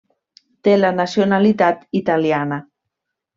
Té la nacionalitat italiana.